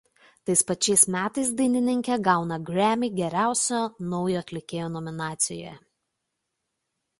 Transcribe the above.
Tais pačiais metais dainininkė gauna „Grammy“ geriausio naujo atlikėjo nominacijoje.